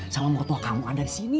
sama mertua kamu ada disini